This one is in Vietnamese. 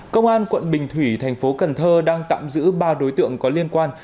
công an quận bình thủy thành phố cần thơ đang tạm giữ ba đối tượng có liên quan